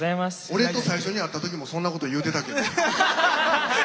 俺と最初に会ったときもそんなこと言うてたけど。